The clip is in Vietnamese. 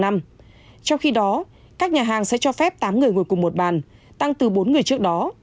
trong khi đó các nhà hàng sẽ cho phép tám người ngồi cùng một bàn tăng từ bốn người trước đó